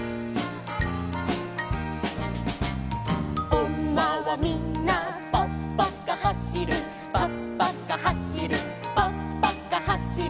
「おんまはみんなぱっぱかはしる」「ぱっぱかはしるぱっぱかはしる」